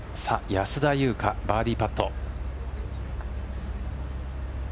安田祐香、バーディーパット。